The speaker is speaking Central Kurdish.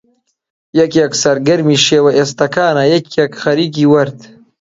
یەکێک سەرگەرمی شێوە ئێستەکانە، یەک خەریکی وەرد